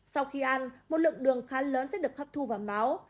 sau khi ăn một lượng đường khá lớn sẽ được hấp thu vào máu